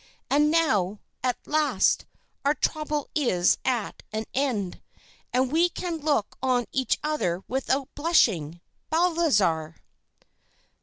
And now, at last, our trouble is at an end, and we can look on each other without blushing. Balthazar!